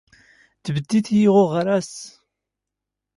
ⵜⴱⴷⴷⵎ ⵉⵢⵉ ⴷⴳ ⵓⴱⵔⵉⴷ!